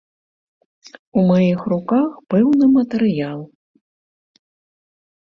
У маіх руках пэўны матэрыял.